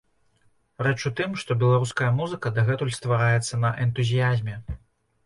Рэч у тым, што беларуская музыка дагэтуль ствараецца на энтузіязме.